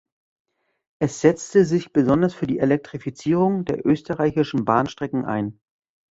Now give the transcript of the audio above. Es setzte sich besonders für die Elektrifizierung der österreichischen Bahnstrecken ein.